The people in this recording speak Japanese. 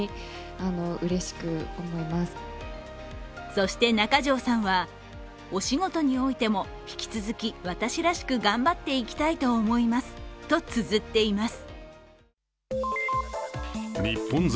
そして、中条さんは、お仕事においても引き続き私らしく頑張っていきたいと思いますとつづっています。